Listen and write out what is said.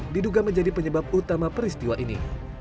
diduga menjadi penyebab utama peristiwa ini